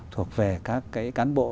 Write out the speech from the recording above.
thuộc về các cái cán bộ